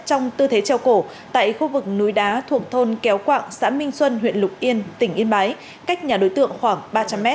trong tư thế treo cổ tại khu vực núi đá thuộc thôn kéo quạng xã minh xuân huyện lục yên tỉnh yên bái cách nhà đối tượng khoảng ba trăm linh m